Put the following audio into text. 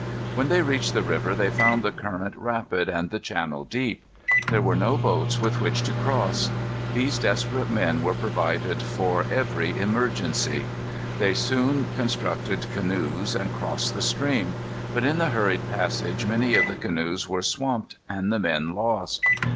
When they reached the river they found the current rapid and the channel deep. There were no boats with which to cross. These desperate men were provided for every emergence. They soon constructed canoes and crossed the stream. But in the hurried passage many of the canoes were swamped and the men lost.